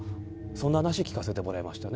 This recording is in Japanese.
そんな話を聞かせてもらいました。